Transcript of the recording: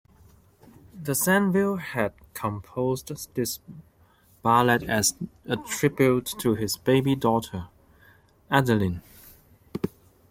De Senneville had composed this ballad as a tribute to his baby daughter, Adeline.